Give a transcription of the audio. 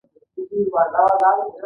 زده کوونکي د قواعدو په رعایت تمرکز کاوه.